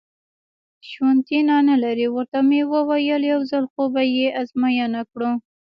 شونېتیا نه لري، ورته مې وویل: یو ځل خو به یې ازموینه کړو.